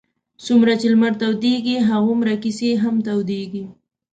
څومره چې لمر تودېږي هغومره کیسې هم تودېږي.